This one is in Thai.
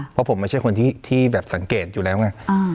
เพราะผมไม่ใช่คนที่แบบสังเกตอยู่แล้วไง